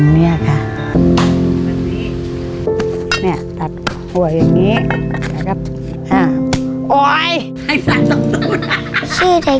และยายสมบูรณ์